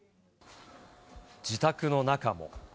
自宅の中も。